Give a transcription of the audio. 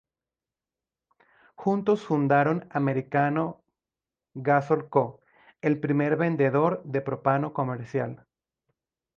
Juntos fundaron americano Gasol Co., el primer vendedor de propano comercial.